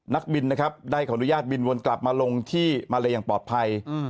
นักบินนะครับได้ขออนุญาตบินวนกลับมาลงที่มาเลอย่างปลอดภัย